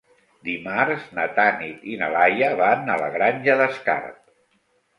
Dimarts na Tanit i na Laia van a la Granja d'Escarp.